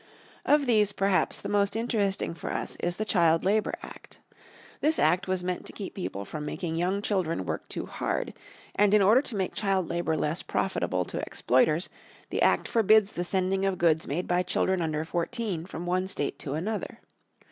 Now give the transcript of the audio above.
Of these perhaps the most interesting for us is the Child Labour Act. This Act was meant to keep people from making young children work too hard, and in order to make child labour less profitable to "exploiters" the Act forbids the sending of goods made by children under fourteen from one state to another.